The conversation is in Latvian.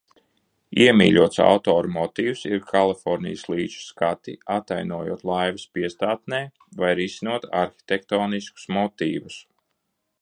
Iemīļots autora motīvs ir Kalifornijas līča skati, atainojot laivas piestātnē vai risinot arhitektoniskus motīvus.